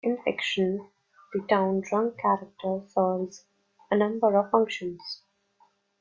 In fiction, the town drunk character serves a number of functions.